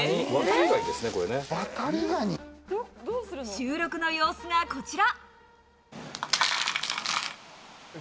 収録の様子がこちら。